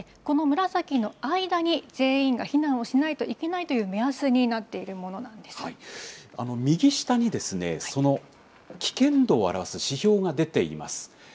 この紫の間に全員が避難をしないといけないという目安になってい右下に、その危険度を表す指標が出ています。